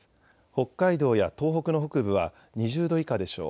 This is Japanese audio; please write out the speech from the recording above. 北海道や東北の北部は２０度以下でしょう。